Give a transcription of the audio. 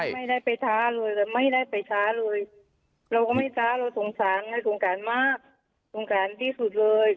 ไม่ได้ไปท้าเลยแต่ไม่ได้ไปช้าเลยเราก็ไม่ช้าเราสงสารไงสงสารมากสงสารที่สุดเลย